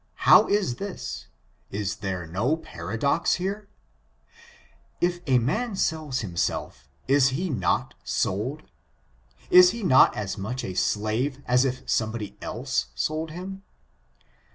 How is this ? Is there no paradox here ? If a man sells him self, is he not sold? Is he not as much a slave as if somebody else sold him